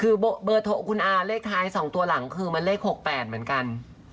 คือเบอร์คุณอาเลขท้าย๒ตัวหลังคือมันเลข๖๘เหมือนกัน